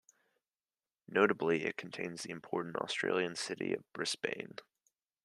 Notably, it contains the important Australian city of Brisbane.